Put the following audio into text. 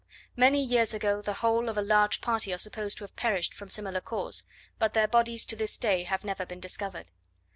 Many years ago the whole of a large party are supposed to have perished from a similar cause, but their bodies to this day have never been discovered.